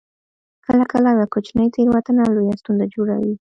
کله کله یوه کوچنۍ تیروتنه لویه ستونزه جوړوي